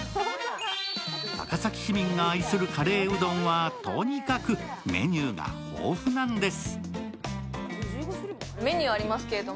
高崎市民が愛するカレーうどんは、とにかくメニューが豊富なんです。